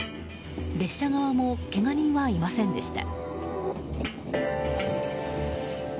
列車側もけが人はいませんでした。